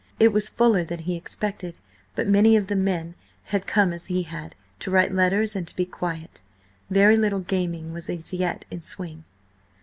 It was fuller than he expected, but many of the men had come as he had, to write letters and to be quiet. Very little gaming was as yet in swing.